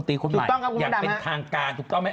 ส์มนตรีคือวันใหม่ถูกต้องนะครับคุณงดำป่ะอย่างเป็นทางกาญถูกต้องไหม